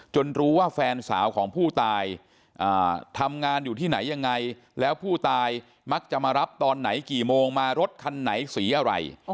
รู้ว่าแฟนสาวของผู้ตายทำงานอยู่ที่ไหนยังไงแล้วผู้ตายมักจะมารับตอนไหนกี่โมงมารถคันไหนสีอะไร